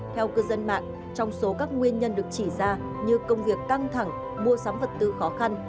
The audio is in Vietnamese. theo cư dân mạng trong số các nguyên nhân được chỉ ra như công việc căng thẳng mua sắm vật tư khó khăn